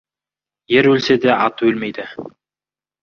Ер өлсе де, аты өлмейді.